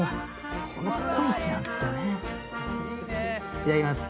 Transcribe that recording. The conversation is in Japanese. いただきます。